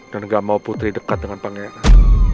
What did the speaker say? dan gak mau putri dekat dengan pangeran